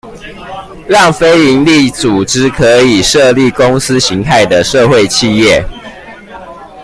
讓非營利組織可以設立公司型態的社會企業